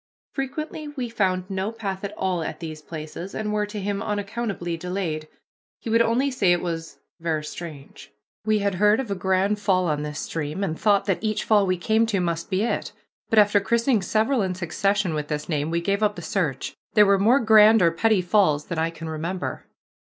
Frequently we found no path at all at these places, and were to him unaccountably delayed. He would only say it was "ver' strange." We had heard of a Grand Fall on this stream, and thought that each fall we came to must be it, but after christening several in succession with this name we gave up the search. There were more Grand or Petty Falls than I can remember.